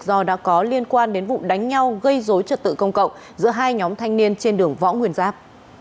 do đã có liên quan đến vụ đánh nhau gây dối trật tự công cộng giữa hai nhóm thanh niên trên đường võ nguyên giáp